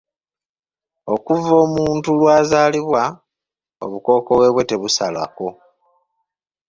"Okuva omuntu lw’azaalibwa, obukoowekoowe bwe tabusalako."